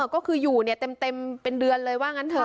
ก็คืออยู่เต็มเป็นเดือนเลยว่างั้นเถอ